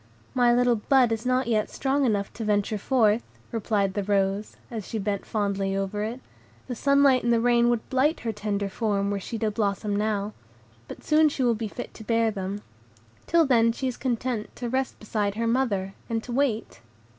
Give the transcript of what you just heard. "My little bud is not yet strong enough to venture forth," replied the rose, as she bent fondly over it; "the sunlight and the rain would blight her tender form, were she to blossom now, but soon she will be fit to bear them; till then she is content to rest beside her mother, and to wait."